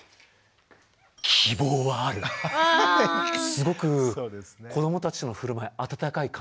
すごく子どもたちの振る舞い温かい感情。